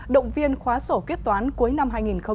động viên khóa sổ kiếp toán cuối năm hai nghìn một mươi chín